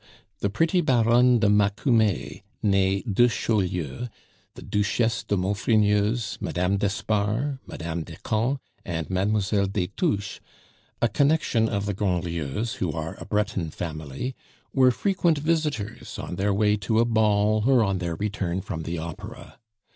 The pretty Baronne de Macumer nee de Chaulieu the Duchesse de Maufrigneuse, Madame d'Espard, Madame de Camps, and Mademoiselle des Touches a connection of the Grandlieus, who are a Breton family were frequent visitors on their way to a ball or on their return from the opera.